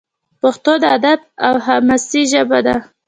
پښتو د ادب او حماسې ژبه ده.